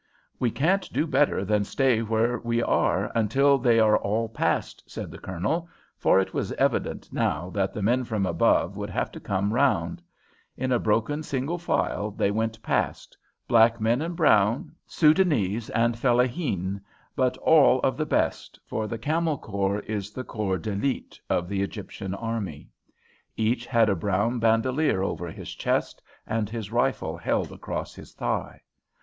"We can't do better than stay where we are until they are all past," said the Colonel, for it was evident now that the men from above would have to come round. In a broken single file they went past, black men and brown, Soudanese and fellaheen, but all of the best, for the Camel Corps is the corps d'elite of the Egyptian army. Each had a brown bandolier over his chest and his rifle held across his thigh.